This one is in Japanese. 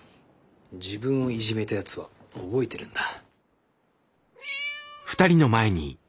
自分をいじめたやつは覚えてるんだ。